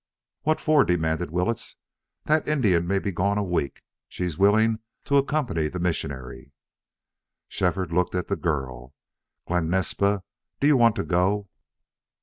"What for?" demanded Willetts. "That Indian may be gone a week. She's willing to accompany the missionary." Shefford looked at the girl. "Glen Naspa, do you want to go?"